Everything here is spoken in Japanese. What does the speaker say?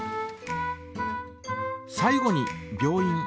最後に病院。